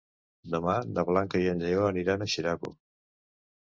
Demà na Blanca i en Lleó aniran a Xeraco.